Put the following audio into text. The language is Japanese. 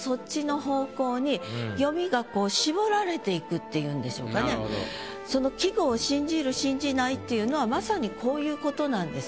やってると。ということはこのその「季語を信じる」「信じない」っていうのはまさにこういうことなんです。